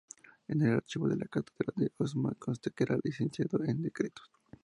En el archivo de la Catedral de Osma consta que era "Licenciado en Decretos".